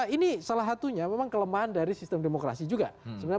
ini salah satunya memang kelemahan dari sistem demokrasi juga